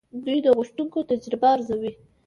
دوی د غوښتونکو تجربه ارزوي.